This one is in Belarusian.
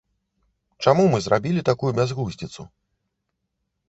Чаму мы зрабілі такую бязглуздзіцу?